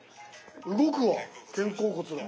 動くわ肩甲骨が。